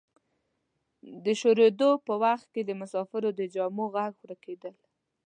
د شورېدو په وخت کې د مسافرو د جامو غږ ورکیده.